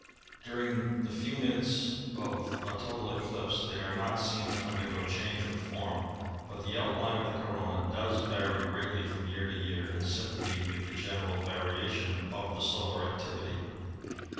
During the few minutes of a total eclipse they are not seen to undergo change of form, but the outline of the corona does vary greatly from year to year, in sympathy with the general variation of the solar activity.